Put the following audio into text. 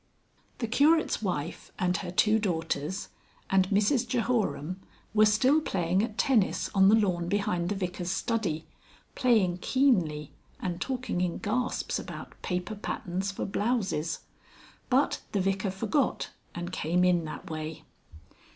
X. The Curate's wife and her two daughters and Mrs Jehoram were still playing at tennis on the lawn behind the Vicar's study, playing keenly and talking in gasps about paper patterns for blouses. But the Vicar forgot and came in that way.